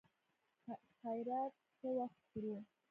خيرات څه وخت خورو.